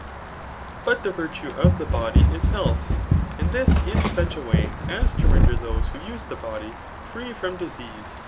But the virtue of the body is health, and this in such a vray as to render those who use the body, free from dis ease.